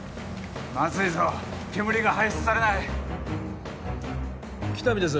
まずいぞ煙が排出されない喜多見です